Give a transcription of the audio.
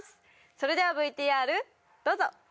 それではＶＴＲどうぞ！